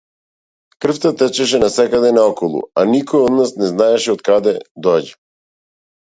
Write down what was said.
Крвта течеше насекаде наоколу, а никој од нас не знаеше од каде доаѓа.